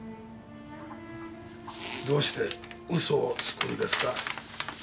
どうして嘘をつくんですか？